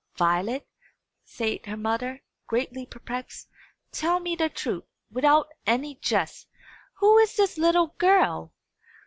"Violet," said her mother, greatly perplexed, "tell me the truth, without any jest. Who is this little girl?"